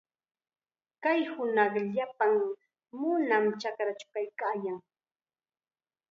Kay hunaqqa llapan nunam chakrachaw kaykaayan.